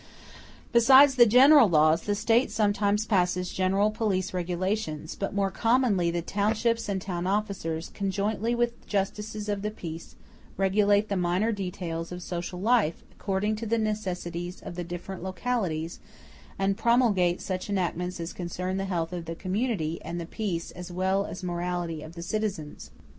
*i Besides the general laws, the State sometimes passes general police regulations; but more commonly the townships and town officers, conjointly with justices of the peace, regulate the minor details of social life, according to the necessities of the different localities, and promulgate such enactments as concern the health of the community, and the peace as well as morality of the citizens.